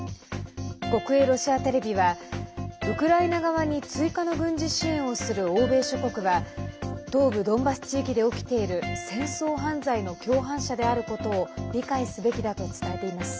国営ロシアテレビはウクライナ側に追加の軍事支援をする欧米諸国は東部ドンバス地域で起きている戦争犯罪の共犯者であることを理解すべきだと伝えています。